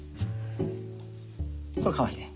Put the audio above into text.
これかわいいね。